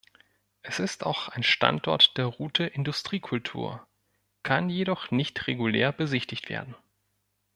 Es ist auch ein Standort der Route Industriekultur, kann jedoch nicht regulär besichtigt werden.